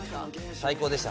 最高でした。